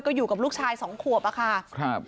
ก็อยู่กับลูกชายสองขวบอะค่ะครับ